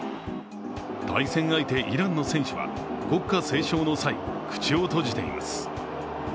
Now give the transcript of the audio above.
対戦相手イランの選手は国歌斉唱の際口を閉じています。